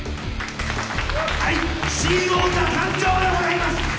はい新王者誕生でございます！